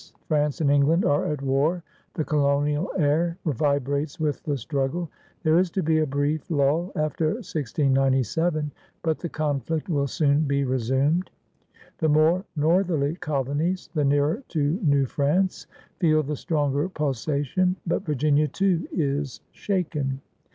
France and England are at war. The colonial air vibrates with the struggle. There is to be a brief lull after 1697, but the conflict will soon be re sumed. The more northerly colonies, the nearer to New France, feel the stronger pulsation, but Virginia, too, is shaken.